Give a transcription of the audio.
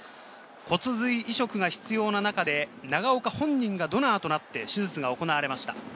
骨髄移植が必要な中で長岡本人がドナーとなって手術が行われました。